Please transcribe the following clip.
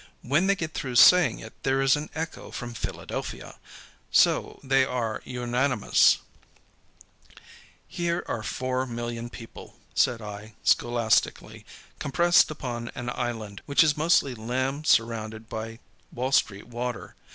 When they get through saying it there is an echo from Philadelphia. So, they are unanimous." "Here are 4,000,000 people," said I, scholastically, "compressed upon an island, which is mostly lamb surrounded by Wall Street water.